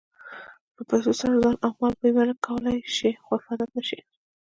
په پیسو سره ځان او مال بیمه کولی شې خو حفاظت نه شې.